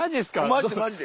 マジでマジで。